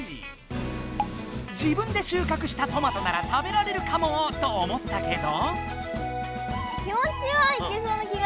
自分で収かくしたトマトなら食べられるかもと思ったけど。